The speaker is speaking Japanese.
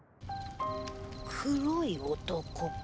黒い男か！